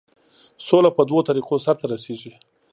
سوله په دوو طریقو سرته رسیږي.